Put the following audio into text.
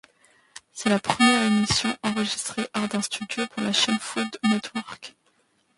C'est la première émission enregistrée hors d'un studio pour la chaîne Food Network.